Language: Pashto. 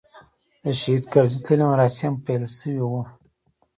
د شهید کرزي تلین مراسیم پیل شوي و.